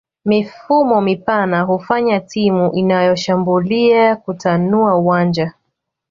Mifumo mipana hufanya timu inayoshambulia kutanua uwanja